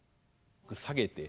下げて。